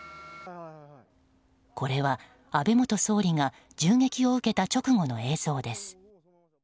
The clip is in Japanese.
これは安倍元総理が銃撃を受けた直後の映像です。